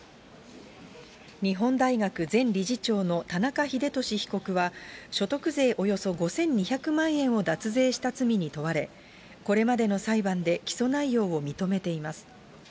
日本大学前理事長の田中英壽被告は、所得税およそ５２００万円を脱税した罪に問われ、これまでの裁判で、起訴内容を認めています。